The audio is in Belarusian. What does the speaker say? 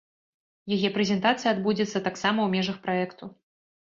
Яе прэзентацыя адбудзецца таксама ў межах праекту.